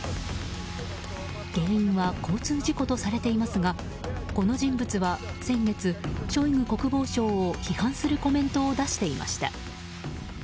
原因は交通事故とされていますがこの人物は先月ショイグ国防相を批判するコメントを出していました。